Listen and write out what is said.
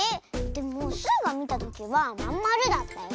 でもスイがみたときはまんまるだったよ。